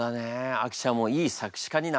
あきちゃんもいい作詞家になれますね。